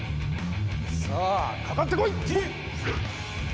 さあかかってこい！